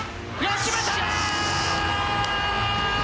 決めた！